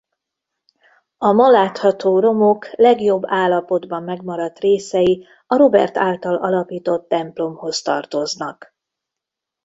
A ma látható romok legjobb állapotban megmaradt részei a Robert által alapított templomhoz tartoznak.